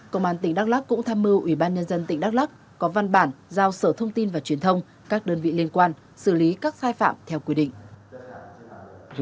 công an tỉnh đắk lắc cũng tham mưu ủy ban nhân dân tỉnh đắk lắc có văn bản giao sở thông tin và truyền thông các đơn vị liên quan xử lý các sai phạm theo quy định